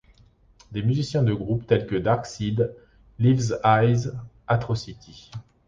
Des musiciens de groupes tels que Darkseed, Leaves' Eyes, Atrocity.